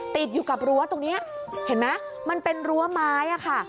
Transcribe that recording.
ติดอยู่กับรั้วตรงนี้เห็นไหมมันเป็นรั้วไม้อะค่ะ